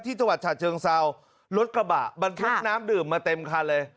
จังหวัดฉะเชิงเซารถกระบะบรรทุกน้ำดื่มมาเต็มคันเลย